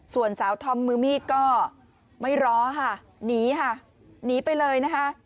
ส่วนสาวธอมมือมีดก็ไม่รอค่ะหนีค่ะหนีไปเลยนะคะ